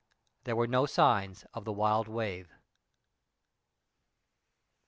There were no signs of the Wild Wave.